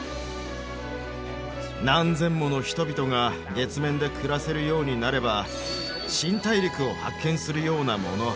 何千もの人々が月面で暮らせるようになれば新大陸を発見するようなもの。